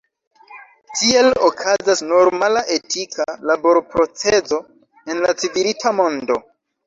Tiel okazas normala etika laborprocezo en la civilizita mondo.